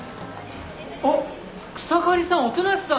あっ草刈さん音無さん！